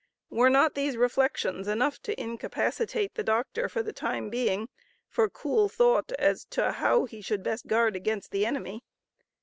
Were not these reflections enough to incapacitate the Doctor for the time being, for cool thought as to how he should best guard against the enemy?